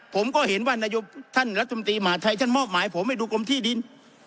ผมก็เห็นว่านายกท่านรัฐมนตรีมหาชัยท่านมอบหมายผมให้ดูกรมที่ดิน